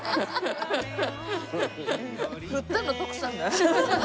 振ったの徳さんだ。